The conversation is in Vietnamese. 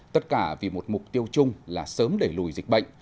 tất cả vì một mục tiêu chung là sớm đẩy lùi dịch bệnh